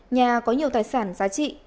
nhà có nhiều tài sản giá trị